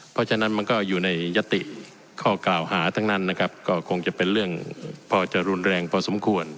เพราะฉะนั้นมันก็อยู่ในยติข้อกล่าวหาทั้งนั้นนะครับก็คงจะเป็นเรื่องพอจะรุนแรงพอสมควร